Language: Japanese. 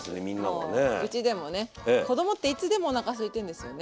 もううちでもね子どもっていつでもおなかすいてるんですよね。